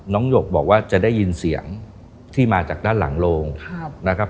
หยกบอกว่าจะได้ยินเสียงที่มาจากด้านหลังโรงนะครับ